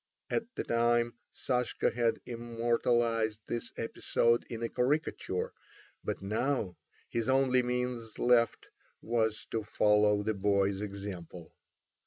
At the time Sashka had immortalised this episode in a caricature, but now his only means left was to follow the boy's example.